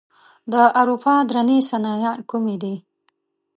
د اروپا درنې صنایع کومې دي؟